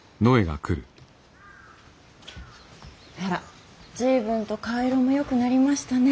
あら随分と顔色もよくなりましたね。